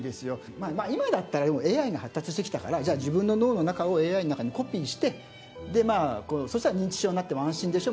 まあ今だったらでもＡＩが発達してきたからじゃあ自分の脳の中をＡＩの中にコピーしてでまあそしたら認知症になっても安心でしょ。